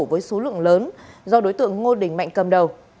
với số lượng lớn do đối tượng ngô đình mạnh cầm đầu